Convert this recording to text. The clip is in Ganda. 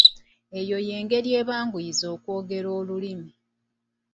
Eyo y'engeri ebanguyiza okwogera olulimi.